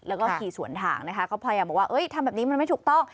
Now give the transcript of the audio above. แล้วก็ขี่สวนทางนะคะก็พยายามบอกว่าทำแบบนี้มันไม่ถูกต้อง